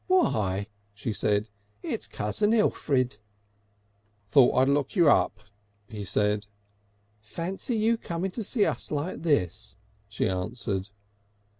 "Why!" she said, "it's cousin Elfrid!" "Thought I'd look you up," he said. "Fancy! you coming to see us like this!" she answered.